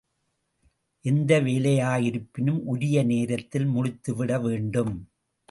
எந்த வேலையா யிருப்பினும் உரிய நேரத்தில் முடித்துவிட வேண்டும்.